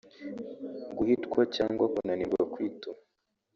Guhitwa cyangwa kunanirwa kwituma